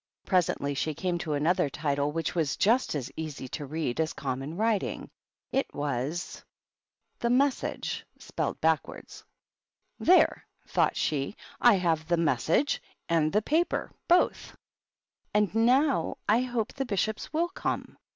Presently she came to another title which was just as easy to read as common writing. It was: ^Bj>^^Qii)© avrtG "There!" thought she, "I have the ^ Message^ and the ^ Paper* both. And now I hope the Bishops will come.